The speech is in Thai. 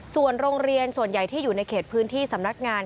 ส่วนโรงเรียนส่วนใหญ่ที่อยู่ในเขตพื้นที่สำนักงาน